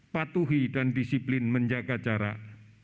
patuhi dan disiplin menjaga jarak